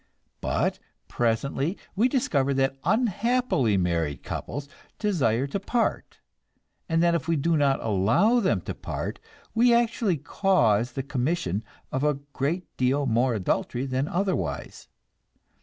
But presently we discover that unhappily married couples desire to part, and that if we do not allow them to part, we actually cause the commission of a great deal more adultery than otherwise.